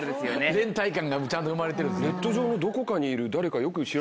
連帯感がちゃんと生まれてるんですね。